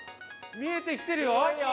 見えてきてるよ。